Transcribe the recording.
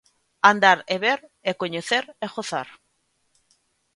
Andar e ver é coñecer e gozar.